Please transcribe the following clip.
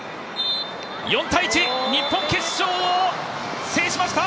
４−１、日本決勝を制しました！